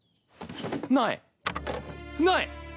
ないない！